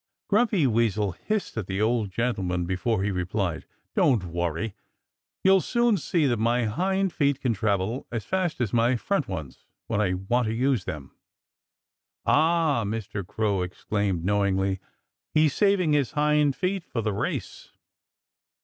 Grumpy Weasel hissed at the old gentleman before he replied: "Don't worry! You'll soon see that my hind feet can travel as fast as my front ones when I want to use them." "Ah!" Mr. Crow exclaimed knowingly. "He's saving his hind feet for the race."